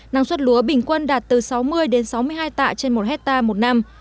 năng suất lúa bình quân đạt từ sáu mươi đến sáu mươi hai tạ trên một hectare một năm